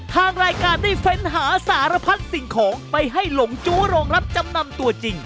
ทางรายการได้เฟ้นหาสารพัดสิ่งของไปให้หลงจู้โรงรับจำนำตัวจริง